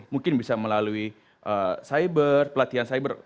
mungkin bisa melalui cyber pelatihan cyber